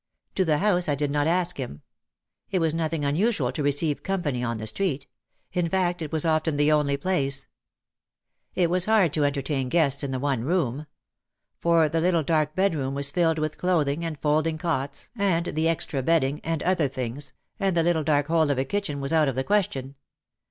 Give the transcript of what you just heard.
To the house I did not ask him. It was nothing unusual to receive "company" on the street. In fact it was often the only place. It was OUT OF THE SHADOW 293 hard to entertain guests in the one room. For the little dark bedroom was filled with clothing and folding cots and the extra bedding and other things, and the little dark hole of a kitchen was out of the question.